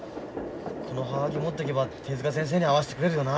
このハガキ持っていけば手先生に会わせてくれるよな。